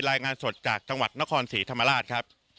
รายงานสดจากจังหวัดนครศรีธรรมราชครับ